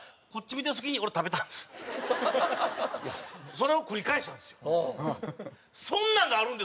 それを繰り返したんですよ。